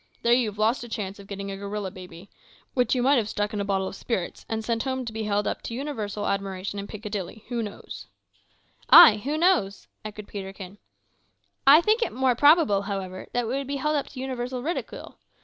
There you've lost a chance of getting a gorilla baby, which you have been desiring so much the last few days, and which you might have stuck in a bottle of spirits, and sent home to be held up to universal admiration in Piccadilly, who knows." "Ay, who knows?" echoed Peterkin. "I think it more probable, however, that it would be held up to universal ridicule.